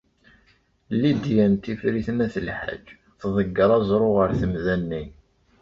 Lidya n Tifrit n At Lḥaǧ tḍegger aẓru ɣer temda-nni.